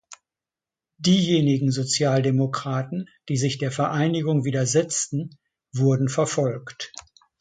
Diejenigen Sozialdemokraten, die sich der Vereinigung widersetzten, wurden verfolgt.